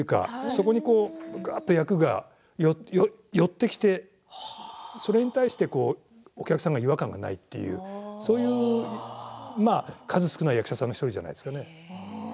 そこにがっと役が寄ってきてそれに対して、お客さんが違和感がないというそういう数少ない役者さんの１人じゃないですかね。